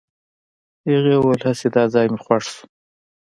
هغې وويل هسې دا ځای مې خوښ شو.